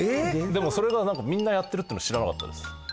でもそれがなんかみんなやってるっていうの知らなかったです。